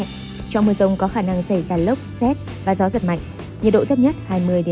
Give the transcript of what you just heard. trong mưa rông có khả năng xảy ra lốc xét và gió giật mạnh nhiệt độ thấp nhất hai mươi hai mươi ba độ